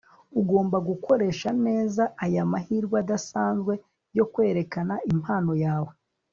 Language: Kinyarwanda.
Ugomba gukoresha neza aya mahirwe adasanzwe yo kwerekana impano yawe